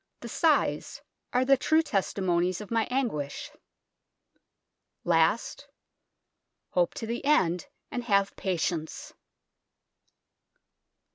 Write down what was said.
" The sighs are the true testimonies of my anguish." Last, " Hope to the end and have pacience."